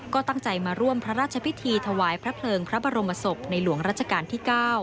ก็ตั้งใจมาร่วมพระราชพิธีถวายพระเพลิงพระบรมศพในหลวงรัชกาลที่๙